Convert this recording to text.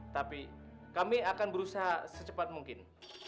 tapi kami akan berusaha secepat mungkin